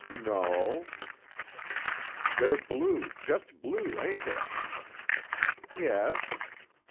"No o o " "They're blue, just blue, ain't they?" "Yes."